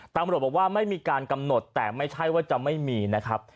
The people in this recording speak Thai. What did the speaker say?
ตำรวจบอกว่าไม่มีการกำหนดแต่ไม่ใช่ว่าจะไม่มีนะครับ